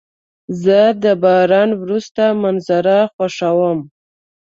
زه د باران وروسته منظره خوښوم.